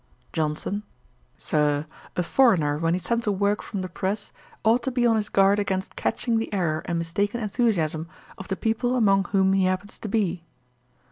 JOHNSON. 'Sir, a foreigner, when he sends a work from the press, ought to be on his guard against catching the errour and mistaken enthusiasm of the people among whom he happens to be.'